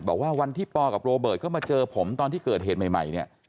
วันที่ปอกับโรเบิร์ตเข้ามาเจอผมตอนที่เกิดเหตุใหม่เนี่ย